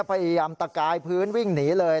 พยายามตะกายพื้นวิ่งหนีเลย